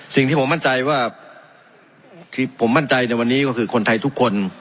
สิ่งที่ผมมั่นใจว่าที่ผมมั่นใจในวันนี้ก็คือคนไทยทุกคน